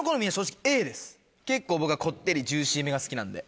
結構僕はこってりジューシーめが好きなんで。